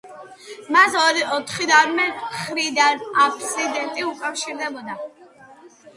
მას ოთხივე მხრიდან აფსიდები უკავშირდებოდა.